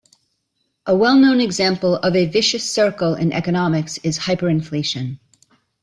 A well-known example of a vicious circle in economics is hyperinflation.